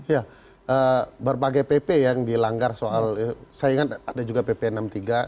ya berbagai pp yang dilanggar soal sayangnya ada juga pp no enam puluh tiga